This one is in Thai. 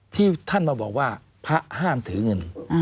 ที่ท่านมาบอกว่าพระห้ามถือเงิน